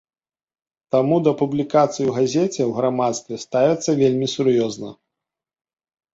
Таму да публікацый у газеце ў грамадстве ставяцца вельмі сур'ёзна.